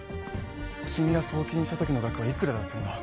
君が送金した時の額はいくらだったんだ？